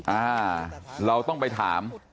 อ่าเราต้องไปถาม